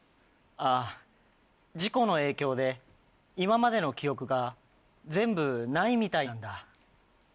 あ事故の影響で今までの記憶が全部ないみたいなんだ。